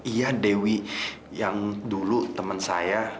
iya dewi yang dulu teman saya